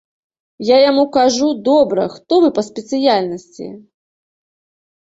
Я яму кажу, добра, хто вы па спецыяльнасці?